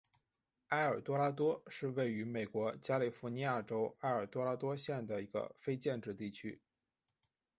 埃尔多拉多是位于美国加利福尼亚州埃尔多拉多县的一个非建制地区。